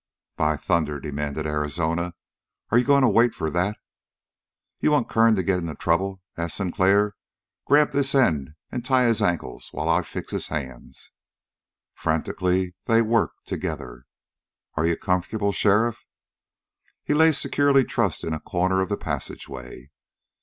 "By thunder," demanded Arizona, "are you going to wait for that?" "You want Kern to get into trouble?" asked Sinclair. "Grab this end and tie his ankles, while I fix his hands." Frantically they worked together. "Are you comfortable, sheriff?" He lay securely trussed in a corner of the passageway.